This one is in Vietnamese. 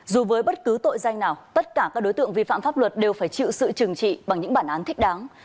dù với bất cứ tội danh nào tất cả các đối tượng vi phạm pháp luật đều phải chịu sự trừng trị bằng những bản án thích đáng